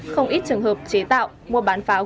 không ít trường hợp chế tạo mua bán pháo